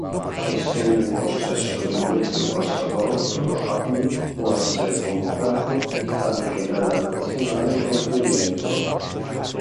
Essendo in possesso del doppio passaporto, Abdi può essere convocato anche dalla Nazionale norvegese.